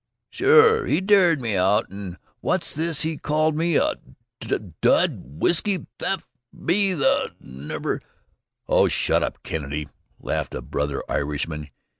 "Sure he dared me out, an' what's this he called me? a d d whiskey thafe! me that niver " "Oh, shut up, Kennedy," laughed a brother Irishman.